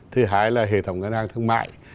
thứ hai là hệ thống ngân hàng thương mại